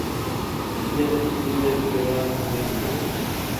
جاسوس وويل چي راز نه افشا کوي.